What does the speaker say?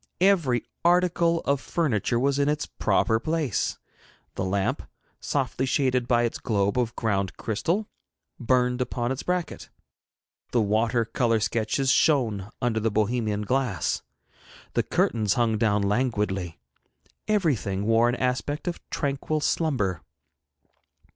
Every article of furniture was in its proper place. The lamp, softly shaded by its globe of ground crystal, burned upon its bracket; the water colour sketches shone under their Bohemian glass; the curtains hung down languidly; everything wore an aspect of tranquil slumber.